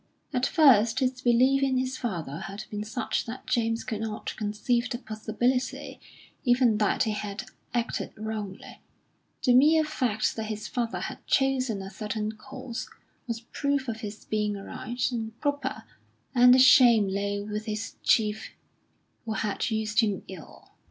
At first his belief in his father had been such that James could not conceive the possibility even that he had acted wrongly; the mere fact that his father had chosen a certain course was proof of its being right and proper, and the shame lay with his chief, who had used him ill.